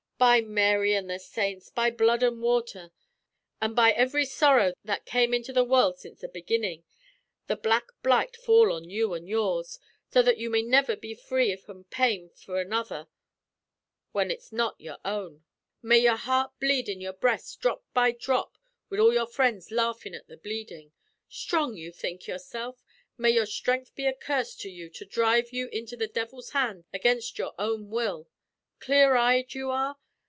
By Mary and the saints, by blood and water, an' by ivry sorrow that came into the world since the beginnin', the black blight fall on you and yours, so that you may niver be free from pain for another when ut's not your own! May your heart bleed in your breast drop by drop wid all your friends laughin' at the bleedin'! Strong you think yourself? May your strength be a curse to you to dhrive you into the devil's hands against your own will! Clear eyed you are?